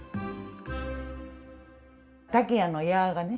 「たけや」の「や」がね